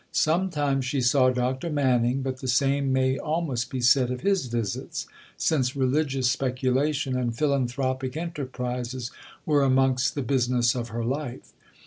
Sometimes she saw Dr. Manning, but the same may almost be said of his visits, since religious speculation and philanthropic enterprises were amongst the business of her life.